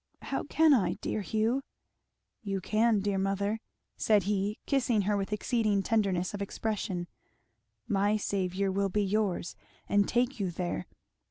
"How can I, dear Hugh?" "You can, dear mother," said he kissing her with exceeding tenderness of expression, "my Saviour will be yours and take you there.